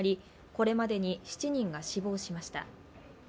これまでに７人が死亡しました。